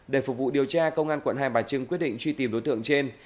để phục vụ điều tra công an quận hai bà trưng quyết định truy tìm đối tượng trên